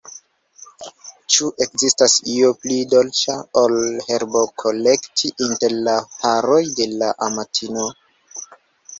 Ĉu ekzistas io pli dolĉa, ol herbokolekti inter la haroj de la amatino?